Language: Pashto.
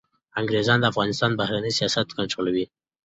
انګریزان د افغانستان بهرنی سیاست کنټرولوي.